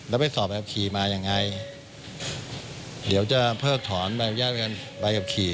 แล้วไปสอบไปกับขี่มายังไงเดี๋ยวจะเพิกถอนบรรยาการไปกับขี่